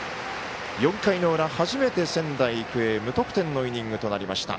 ４回の裏、初めて仙台育英無得点のイニングとなりました。